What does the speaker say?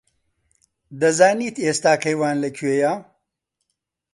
دەزانیت ئێستا کەیوان لەکوێیە؟